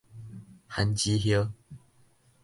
番薯葉